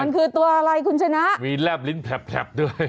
มันคือตัวอะไรคุณชนะมีแลบลิ้นแผลบด้วย